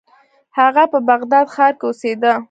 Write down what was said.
هغه په بغداد ښار کې اوسیده.